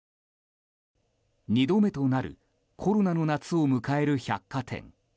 ２度目となるコロナの夏を迎える百貨店。